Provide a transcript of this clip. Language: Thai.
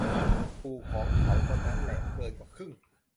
ปู่ของเขาคนนั้นแหลมเกินกว่าครึ่ง